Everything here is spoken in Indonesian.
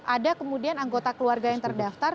ada kemudian anggota keluarga yang terdaftar